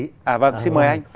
à vâng xin mời anh